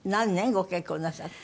ご結婚なさって。